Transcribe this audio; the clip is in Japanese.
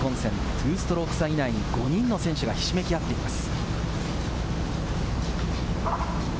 ２ストローク差以内に５人の選手がひしめき合っています。